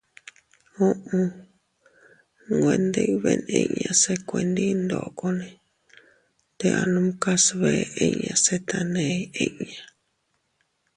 Uʼu.- Nwe ndibeʼn inña se kuendi ndokone te anumkas bee inña se taney inña.